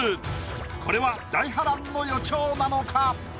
これは大波乱の予兆なのか？